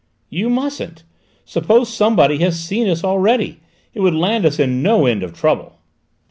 "You mustn't: suppose somebody has seen us already? It would land us in no end of trouble!"